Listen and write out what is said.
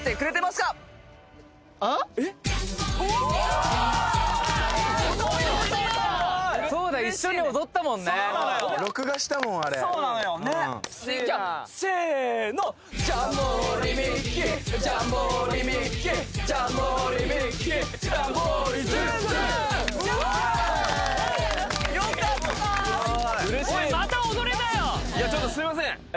すごーいちょっとすいません